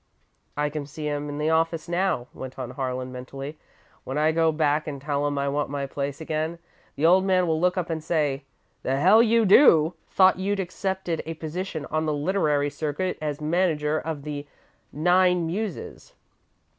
"I can see 'em in the office now," went on Harlan, mentally, "when I go back and tell 'em I want my place again. The old man will look up and say: 'The hell you do! Thought you'd accepted a position on the literary circuit as manager of the nine muses!